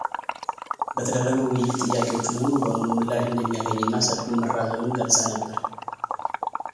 በተደረገ ውይይት ጥያቄዎቹ ሙሉ በሙሉ ምላሽ እንደሚያገኝ እና ሰልፉም መራዘሙንም ገልጻ ነበር።